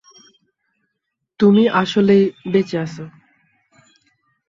তুমি আসলেই বেঁচে আছো।